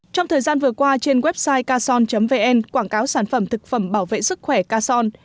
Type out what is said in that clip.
trong thời gian vừa qua trên website cason vn quảng cáo sản phẩm thực phẩm bảo vệ sức khỏe cason